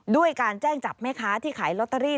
ด้วยการแจ้งจับแม่ค้าที่ขายลอตเตอรี่